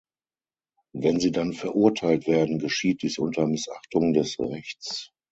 Wenn sie dann verurteilt werden, geschieht dies unter Missachtung des Rechts.